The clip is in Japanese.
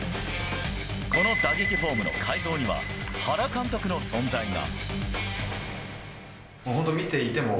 この打撃フォームの改造には原監督の存在が。